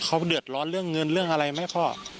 เขาเดือดร้อนเรื่องเงินเรื่องอะไรไหมพ่อ